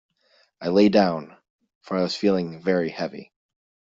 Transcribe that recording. I lay down, for I was feeling very heavy.